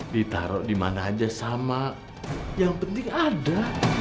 ditaruh dimana aja sama yang penting ada